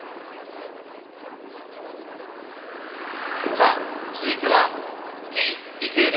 さあ続いてはＴ・ＤＫです。